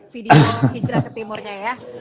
video hijrah ke timurnya ya